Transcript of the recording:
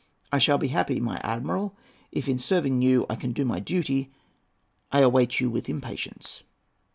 I shall be happy, my admiral, if, in serving you, I can do my duty. I await you with impatience."